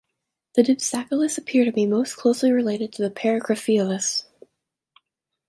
The Dipsacales appear to be most closely related to the Paracryphiales.